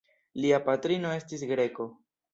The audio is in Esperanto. Lia patrino estis greko.